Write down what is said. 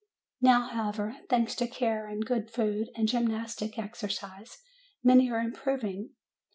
Now, however, thanks to care and good food and gymnastic exercises, many are improving.